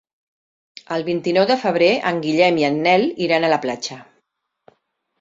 El vint-i-nou de febrer en Guillem i en Nel iran a la platja.